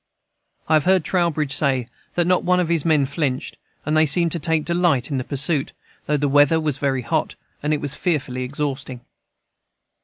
I have heard Trowbridge say that not one of his men flinched; and they seemed to take delight in the pursuit, though the weather was very hot, and it was fearfully exhausting.